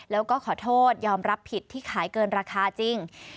แล้วก็ขอโทษยอมรับผิดที่ขายเกินราคาจริง